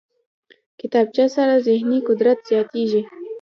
کتابچه سره ذهني قدرت زیاتېږي